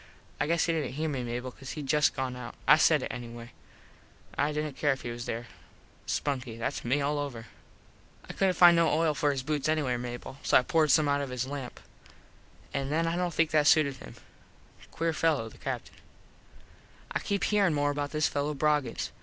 I guess he didnt here me Mable cause hed just gone out. I said it anyway. I didnt care if he wasnt there. Spunky. Thats me all over. [Illustration: "I POURED SOME OIL OUT OF HIS LAMP"] I couldnt find no oil for his boots anywhere, Mable, so I poured some out of his lamp. An then I dont think that suited him. Queer fello the Captin. I keep herein more about this fello Broggins.